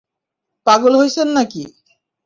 পাগল হইসেন নাকি?